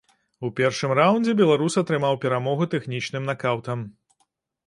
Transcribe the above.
У першым раўндзе беларус атрымаў перамогу тэхнічным накаўтам.